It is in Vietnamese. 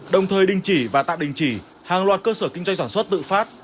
đồng thời đình chỉ và tạm đình chỉ hàng loạt cơ sở kinh doanh sản xuất tự phát